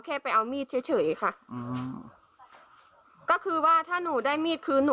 เถียวสิว่าเจ้าหน้าที่ครับทำตัวหน้าที่สุดไป